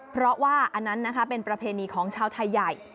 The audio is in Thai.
เพราะว่าอันนั้นนะคะเป็นประเพณีของชาวไทยใหญ่